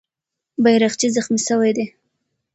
بیرغچی زخمي سوی دی.